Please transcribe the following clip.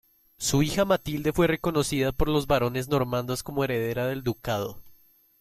Su hija Matilde fue reconocida por los barones normandos como heredera del ducado.